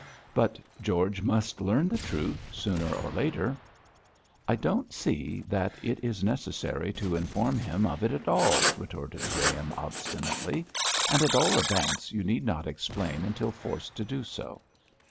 'But George must learn the truth sooner or later.' 'I don't see that it is necessary to inform him of it at all,' retorted Graham, obstinately, 'and at all events you need not explain until forced to do so.